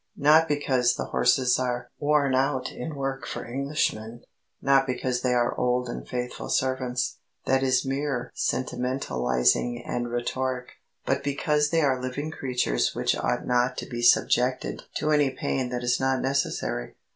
Not because the horses are "worn out in work for Englishmen," not because they are "old and faithful servants" that is mere sentimentalising and rhetoric but because they are living creatures which ought not to be subjected to any pain that is not necessary.